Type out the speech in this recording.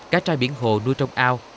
cá tra biển hồ nuôi trong ao